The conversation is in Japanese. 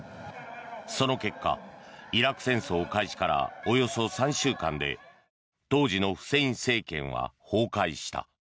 その結果、イラク戦争開始からおよそ３週間で当時のフセイン政権は崩壊した。